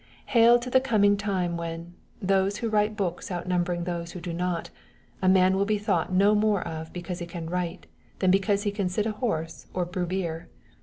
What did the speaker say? Hail to the coming time when, those who write books outnumbering those who do not, a man will be thought no more of because he can write than because he can sit a horse or brew beer!